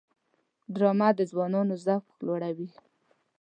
ډرامه د ځوانانو ذوق لوړوي